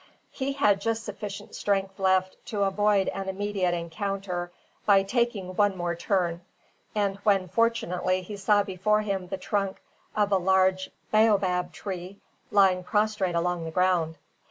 He had just sufficient strength left to avoid an immediate encounter by taking one more turn, when, fortunately, he saw before him the trunk of a large baobab tree lying prostrate along the ground.